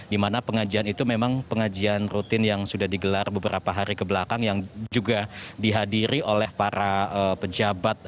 dimana pengajian itu memang pengajian rutin yang sudah digelar beberapa hari kebelakang yang juga dihadiri oleh para pejabat